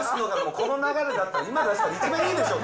この流れだったら、今出すのが、一番いいでしょ。